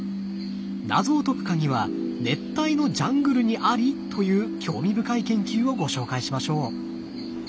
謎を解く鍵は熱帯のジャングルにあり！という興味深い研究をご紹介しましょう。